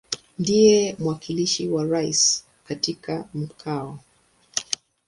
Ndiye mwakilishi wa Rais katika Mkoa.